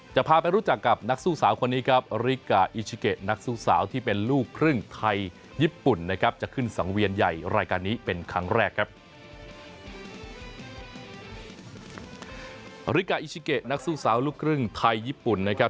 จะพาไปรู้จักกับนักสู้สาวคนนี้ครับริกาอิชิเกะนักสู้สาวที่เป็นลูกครึ่งไทยญี่ปุ่นนะครับ